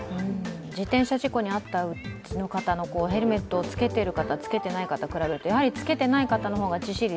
自転車事故に遭った方のヘルメットをつけてる、つけてないのを比べるとやはり着けていない方の方が致死率